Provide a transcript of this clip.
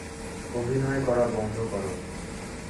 অভিনয় করা বন্ধ কর।